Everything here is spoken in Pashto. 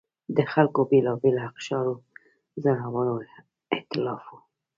د خلکو د بېلابېلو اقشارو زړور اېتلاف و.